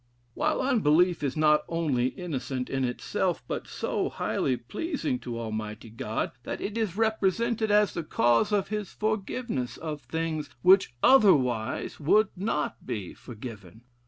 While unbelief is not only innocent in itself, but so highly pleasing to Almighty God, that it is represented as the cause of his forgiveness of things which otherwise would not be forgiven.